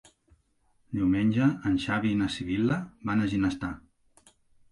Diumenge en Xavi i na Sibil·la van a Ginestar.